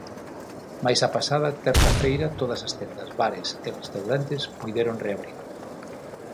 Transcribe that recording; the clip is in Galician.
Mais a pasada terza feira todas as tendas, bares e restaurantes puideron reabrir.